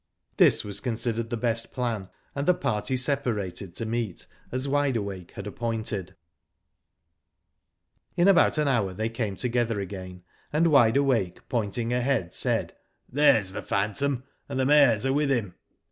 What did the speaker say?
Digitized byGoogk I04 WHO DID ITf This was considered the best plan, and the party separated to .meet as Wide Awake had appointed. In about an hour they came together again and Wide Awake pointing ahead, said: "There is the phantom, and the mares ^ are with him."